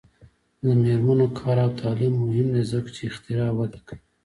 د میرمنو کار او تعلیم مهم دی ځکه چې اختراع وده کوي.